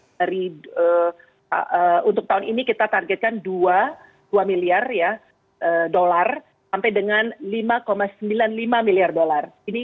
dari untuk tahun ini kita targetkan dua miliar ya dolar sampai dengan lima sembilan puluh lima miliar dolar